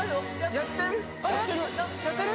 やってる？